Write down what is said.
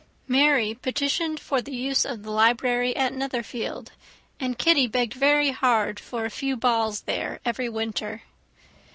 Mary petitioned for the use of the library at Netherfield; and Kitty begged very hard for a few balls there every winter.